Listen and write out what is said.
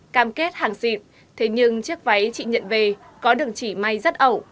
cam kết hàng xịn thế nhưng chiếc váy chị nhận về có đường chỉ may rất ẩu